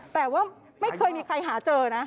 แต่ว่าไม่เคยมีใครหาเจอนะ